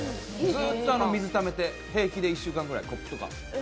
ずっと水ためて平気で１週間ぐらいコップとか。